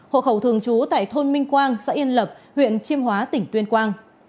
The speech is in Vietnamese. hộ khẩu thường trú tại thôn minh quang xã yên lập huyện chiêm hóa tỉnh tuyên quang